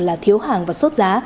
là thiếu hàng và sốt giá